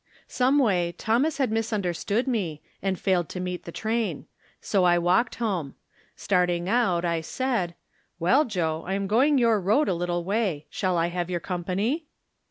Someway Thomas had misunderstood me, and failed to meet the train ; so I walked home. Starting out, I said :" Well, Joe, I am going your road a little way. Shall I have your company